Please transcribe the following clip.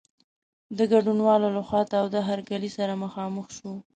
د ګډونوالو له خوا تاوده هرکلی سره مخامخ شو.